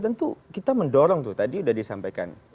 tentu kita mendorong tuh tadi sudah disampaikan